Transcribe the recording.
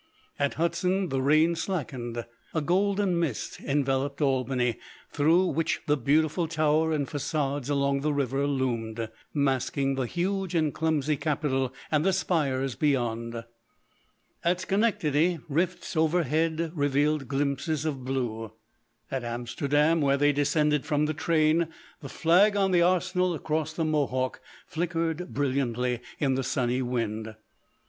At Hudson the rain slackened. A golden mist enveloped Albany, through which the beautiful tower and façades along the river loomed, masking the huge and clumsy Capitol and the spires beyond. At Schenectady, rifts overhead revealed glimpses of blue. At Amsterdam, where they descended from the train, the flag on the arsenal across the Mohawk flickered brilliantly in the sunny wind.